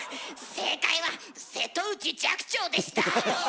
正解は瀬戸内寂聴でした。